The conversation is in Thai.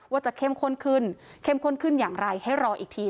จะเข้มข้นขึ้นเข้มข้นขึ้นอย่างไรให้รออีกที